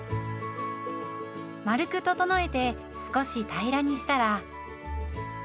丸く整えて少し平らにしたら。